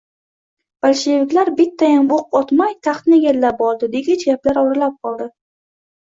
Bolsheviklar bittayam o‘q otmay, taxtni egallab oldi, degich gaplar oralab qoldi.